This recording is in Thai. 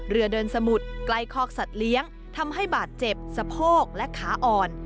เรือเดินสมุดใกล้คอกสัตว์เลี้ยงทำให้บาดเจ็บสะโพกและขาอ่อน